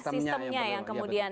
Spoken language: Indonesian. sistemnya yang kemudian